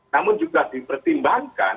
namun juga dipertimbangkan